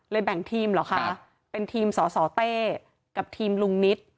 แบ่งทีมเหรอคะเป็นทีมสสเต้กับทีมลุงนิต